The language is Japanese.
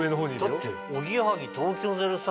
だっておぎやはぎ東京０３